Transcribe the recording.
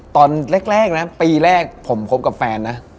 ตอนแรกนะปีแรกผมคบกับแฟนนะ